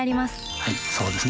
はいそうですね。